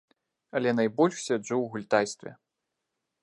Але найбольш сяджу ў гультайстве.